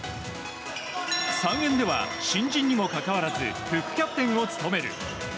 ３年では新人にもかかわらず副キャプテンも務める。